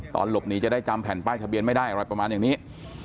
ตอนหลบหนีจะได้จำแผ่นป้ายทะเบียนไม่ได้อะไรประมาณอย่างนี้